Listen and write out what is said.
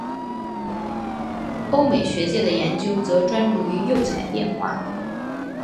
欧美学界的研究则专注于釉彩变化。